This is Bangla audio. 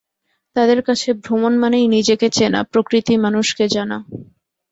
তাঁদের কাছে ভ্রমণ মানেই নিজেকে চেনা, প্রকৃতি মানুষকে জানা।